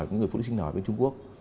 những người phụ nữ sinh ở bên trung quốc